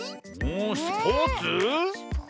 スポーツ？